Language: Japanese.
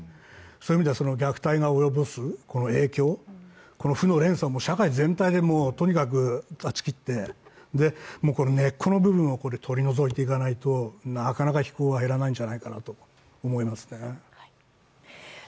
そういう意味では虐待が及ぼす影響、負の連鎖を社会全体で断ち切って、根っこの部分をここで取り除いていかないとなかなか非行は減らないんじゃないかと思いますね。